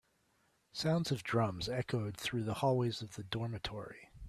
Sounds of drums echoed through the hallways of the dormitory.